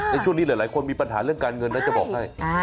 ในช่วงนี้หลายคนมีปัญหาเรื่องการเงินนะจะบอกให้